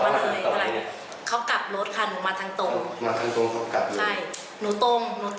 หนูอีกตรงมาก็คือหนูมาเลนสายสุด